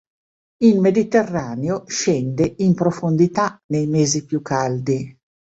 In Mediterraneo scende in profondità nei mesi più caldi.